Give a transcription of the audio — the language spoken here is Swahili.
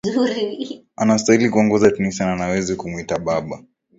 anastahili kuongoza tunisia na nawezi kumuita baba